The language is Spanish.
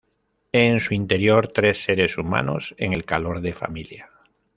En su interior tres seres humanos en el calor de familia.